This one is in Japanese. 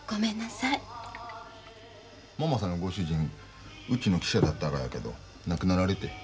ママさんのご主人うちの記者だったがやけど亡くなられて。